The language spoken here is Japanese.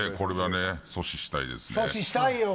阻止したいよ。